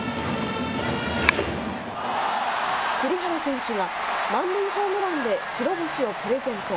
栗原選手が満塁ホームランで白星をプレゼント。